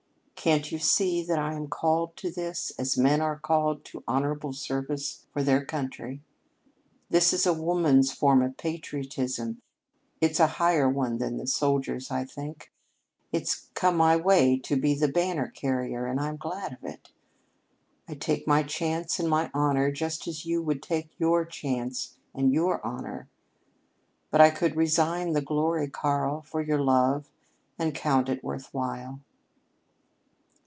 Can't you see that I am called to this as men are called to honorable services for their country? This is a woman's form of patriotism. It's a higher one than the soldier's, I think. It's come my way to be the banner carrier, and I'm glad of it. I take my chance and my honor just as you would take your chance and your honor. But I could resign the glory, Karl, for your love, and count it worth while."